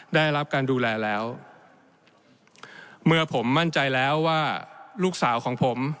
ได้รับการดูแลแล้วเมื่อผมมั่นใจแล้วว่าลูกสาวของผม